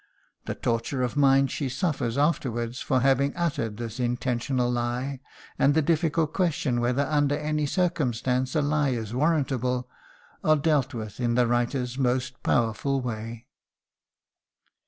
The torture of mind she suffers afterwards for having uttered this intentional lie, and the difficult question whether under any circumstances a lie is warrantable, are dealt with in the writer's most powerful way.